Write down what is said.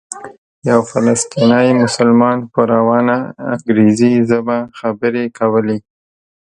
یو فلسطینی مسلمان په روانه انګریزي ژبه خبرې کولې.